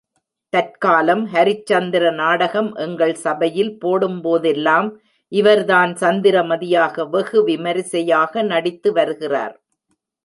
தற்காலம் ஹரிச்சந்திர நாடகம் எங்கள் சபையில் போடும்போதெல்லாம் இவர்தான் சந்திரமதியாக வெகு விமரிசையாக நடித்து வருகிறார்.